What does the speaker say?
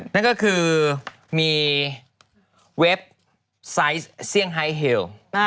นั่นก็คือมีเว็บไซต์ไฮเฮล